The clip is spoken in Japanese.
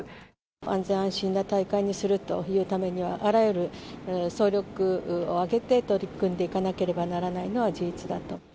安全安心な大会にするというためには、あらゆる総力を挙げて、取り組んでいかなければならないのは事実だと。